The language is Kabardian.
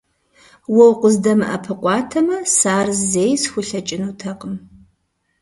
Уэ укъыздэмыӀэпыкъуатэмэ, сэ ар зэи схуэлъэкӀынутэкъым.